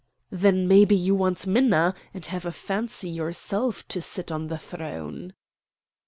"Then maybe you want Minna, and have a fancy yourself to sit on the throne?"